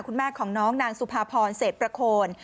คุณแม่ของน้องนางสุภาพรเศษประโคน